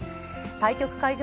対局会場